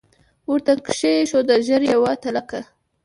ورته کښې یې ښوده ژر یوه تلکه